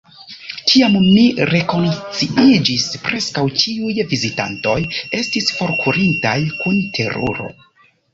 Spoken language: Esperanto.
Kiam mi rekonsciiĝis, preskaŭ ĉiuj vizitantoj estis forkurintaj kun teruro...